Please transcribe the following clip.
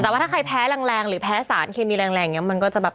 แต่ว่าถ้าใครแพ้แรงหรือแพ้สารเคมีแรงอย่างนี้มันก็จะแบบ